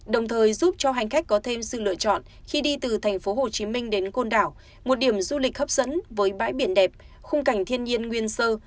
đồng thời giúp cho hành khách có thêm sự lựa chọn khi đi từ tp hcm đến côn đảo một điểm du lịch hấp dẫn với bãi biển đẹp khung cảnh thiên nhiên nguyên sơ